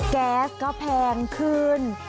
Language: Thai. แก๊สก็แพงขึ้น